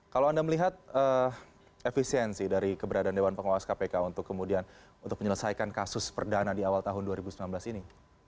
kalau anda melihat efisiensi dari keberadaan dewan pengawas kpk untuk kemudian untuk menyelesaikan kasus perdana di awal tahun dua ribu sembilan belas ini